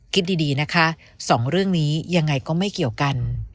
คิดดีนะคะสองเรื่องนี้ยังไงก็ไม่เกี่ยวกัน